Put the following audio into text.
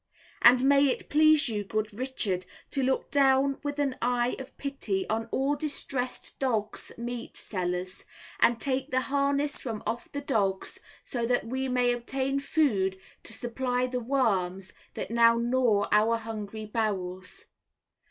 And may it please you, good Richard, to look down with an eye of pity on all distressed dog's meat sellers, and take the harness from off the dogs, so that we may obtain food to supply the worms that now gnaw our hungry bowels.